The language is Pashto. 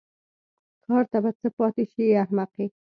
کار ته به څه پاتې شي ای احمقې.